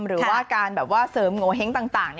หรือว่าการเสริมโงห์เฮ้งต่าง